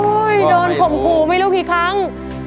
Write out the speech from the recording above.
โอ้ยโดนผมขูไม่รู้กี่ครั้ง